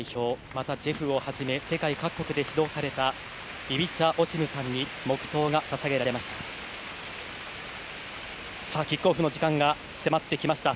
またジェフをはじめ世界各国で指導されたイビチャ・オシムさんに黙祷が捧げられました。